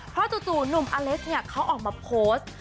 เพราะจู่หนุ่มอเล็กซ์เนี่ยเขาออกมาโพสต์